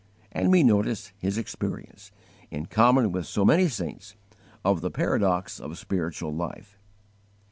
And we notice his experience, in common with so many saints, of the paradox of spiritual life.